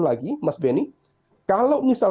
lagi mas benny kalau misal